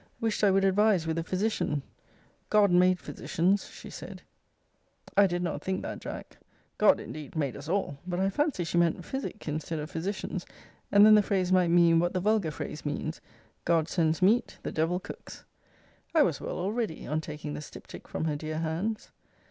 Wished I would advise with a physician. God made physicians, she said. I did not think that, Jack. God indeed made us all. But I fancy she meant physic instead of physicians; and then the phrase might mean what the vulgar phrase means; God sends meat, the Devil cooks. I was well already, on taking the styptic from her dear hands.